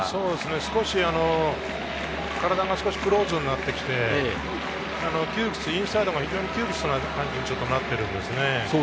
少し体がクローズになってきていて、インサイドが非常に窮屈な感じになっています。